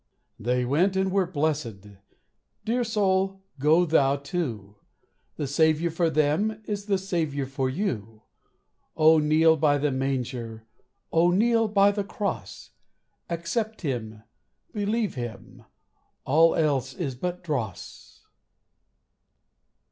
They went and were blessèd. Dear soul, go thou too; The Saviour for them Is the Saviour for you. Oh, kneel by the manger, Oh, kneel by the cross; Accept him, believe him, All else is but dross.